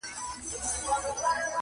o زه د خزان منځ کي لا سمسور یمه,